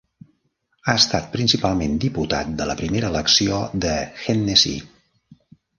Ha estat principalment diputat de la primera elecció de Hennessey.